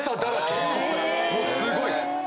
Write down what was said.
もうすごいっす。